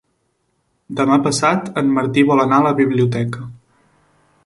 Demà passat en Martí vol anar a la biblioteca.